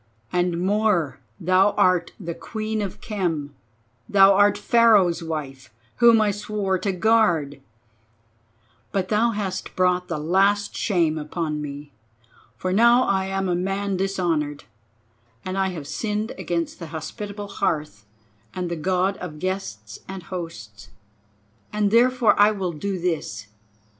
And more, thou art the Queen of Khem, thou art Pharaoh's wife, whom I swore to guard; but thou hast brought the last shame upon me, for now I am a man dishonoured, and I have sinned against the hospitable hearth, and the God of guests and hosts. And therefore I will do this.